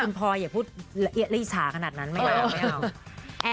คุณพลอยอย่าพูดรีชาขนาดนั้นไม่เอา